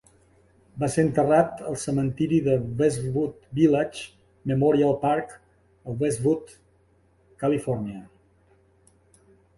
Va ser enterrat al cementiri de Westwood Village Memorial Park a Westwood, Califòrnia.